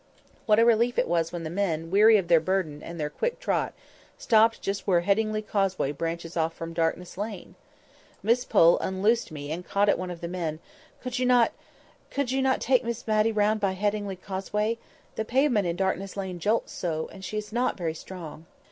What a relief it was when the men, weary of their burden and their quick trot, stopped just where Headingley Causeway branches off from Darkness Lane! Miss Pole unloosed me and caught at one of the men— "Could not you—could not you take Miss Matty round by Headingley Causeway?—the pavement in Darkness Lane jolts so, and she is not very strong."